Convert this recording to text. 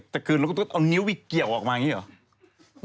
แต่คืนแล้วก็เอานิ้ววิ่เกี่ยวออกมาอย่างนี้หรอ